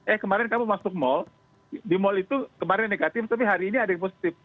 eh kemarin kamu masuk mall di mall itu kemarin negatif tapi hari ini ada yang positif